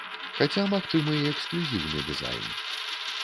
Хаця магчымы і эксклюзіўны дызайн.